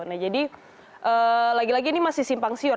nah jadi lagi lagi ini masih simpang siur